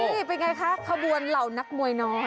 นี่เป็นไงคะขบวนเหล่านักมวยน้อย